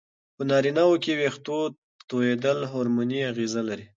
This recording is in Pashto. په نارینه وو کې وېښتو توېیدل هورموني اغېزه لري.